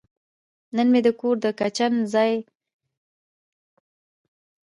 نن مې د کور د کچن ځای تنظیم کړ.